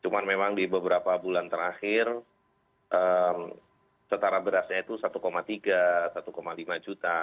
cuma memang di beberapa bulan terakhir setara berasnya itu satu tiga satu lima juta